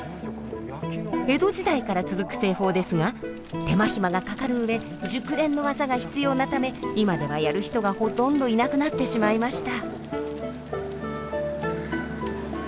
江戸時代から続く製法ですが手間暇がかかる上熟練の技が必要なため今ではやる人がほとんどいなくなってしまいました。